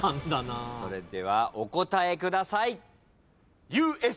それではお答えください。